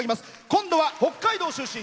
今度は北海道出身。